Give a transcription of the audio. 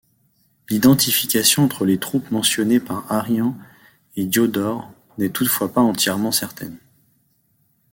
L'identification entre les troupes mentionnées par Arrien et Diodore n'est toutefois pas entièrement certaine.